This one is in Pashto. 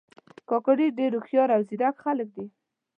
کاکړي ډېر هوښیار او زیرک خلک دي.